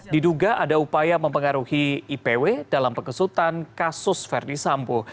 diduga ada upaya mempengaruhi ipw dalam pengesutan kasus verdi sambo